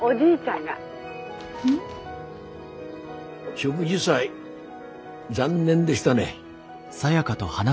植樹祭残念でしたね。